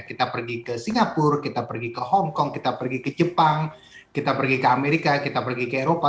kita pergi ke singapura kita pergi ke hongkong kita pergi ke jepang kita pergi ke amerika kita pergi ke eropa